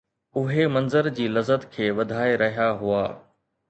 اهي منظر جي لذت کي وڌائي رهيا هئا